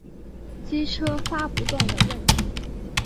机车发不动的问题